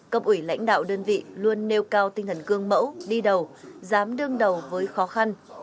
cấp ủy lãnh đạo đơn vị luôn nêu cao tinh thần cương mẫu đi đầu dám đương đầu với khó khăn